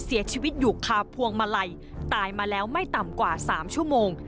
เสียชีวิตอยู่คาพวงมาลัยตายมาแล้วไม่ต่ำกว่าสามชั่วโมง